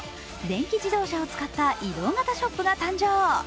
電気自動車を使った移動型ショップが誕生。